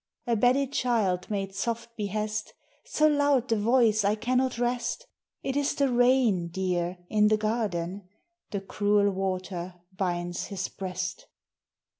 A bedded child made soft behest: 'So loud the voice I cannot rest.' 'It is the rain, dear, in the garden.' The cruel water binds his breast.